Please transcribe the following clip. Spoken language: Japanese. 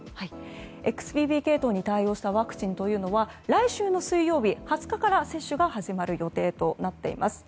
ＸＢＢ系統に対応したワクチンというのは来週の水曜日２０日から接種が始まる予定となっています。